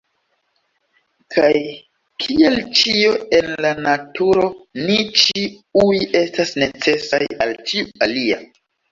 Kaj, kiel ĉio en la Naturo, ni ĉiuj estas necesaj al ĉiu alia.